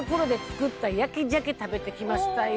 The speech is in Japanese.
食べてきましたよ。